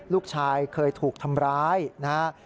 ลูกชายเคยถูกทำร้ายนะครับ